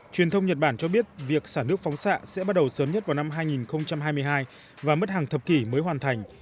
truyền thông nhật bản cho biết việc xả nước phóng xạ sẽ bắt đầu sớm nhất vào năm hai nghìn hai mươi hai và mất hàng thập kỷ mới hoàn thành